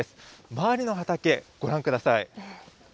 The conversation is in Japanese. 周りの畑、ご覧ください。